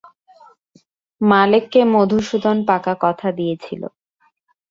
মালেককে মধুসূদন পাকা কথা দিয়েছিল।